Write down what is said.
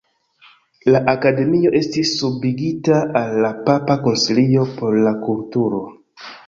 La Akademio estis subigita al la Papa Konsilio por la Kulturo.